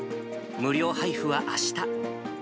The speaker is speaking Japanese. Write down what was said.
無料配布はあした。